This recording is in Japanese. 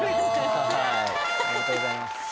ありがとうございます。